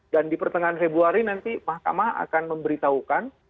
dan di pertengahan februari nanti mahkamah akan memberitahukan